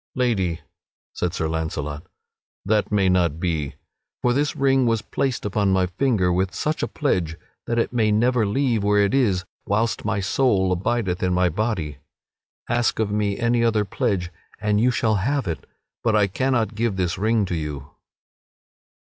"Lady," said Sir Launcelot, "that may not be. For this ring was placed upon my finger with such a pledge that it may never leave where it is whilst my soul abideth in my body. Ask of me any other pledge and you shall have it; but I cannot give this ring to you."